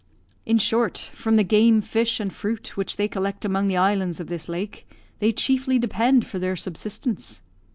In short, from the game, fish, and fruit which they collect among the islands of this lake, they chiefly depend for their subsistence.